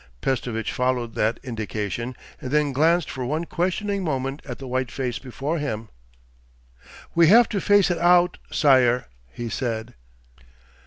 Pestovitch followed that indication and then glanced for one questioning moment at the white face before him. 'We have to face it out, sire,' he said.